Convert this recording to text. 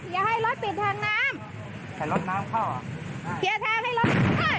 อย่าให้รถติดทางน้ำให้รถน้ำเข้าเกียร์ทางให้รถได้